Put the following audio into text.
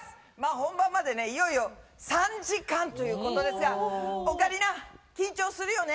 本番までいよいよ３時間ということですが、オカリナ、緊張するよね？